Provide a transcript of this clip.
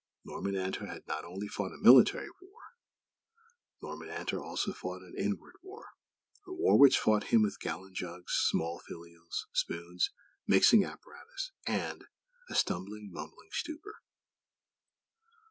Norman Antor had not only fought a military war; Norman Antor had also fought an inward war. A war, which fought him with gallon jugs, small phials, spoons, mixing apparatus, and a stumbling, mumbling _stupor!